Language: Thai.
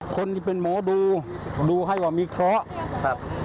คนที่เป็นหมอดูดูให้ว่ามีเคราะห์ครับ